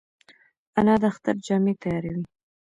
انا د اختر جامې تیاروي